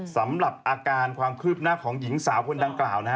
สำหรับอาการความคืบหน้าของหญิงสาวคนดังกล่าวนะฮะ